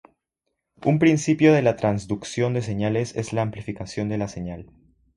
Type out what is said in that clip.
Un principio de la transducción de señales es la amplificación de la señal.